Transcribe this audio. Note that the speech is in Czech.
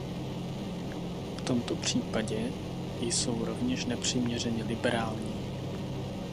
V tomto případě jsou rovněž nepřiměřeně liberální.